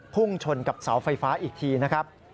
พุ่งชนกับเสาไฟฟ้าอีกทีนะครับ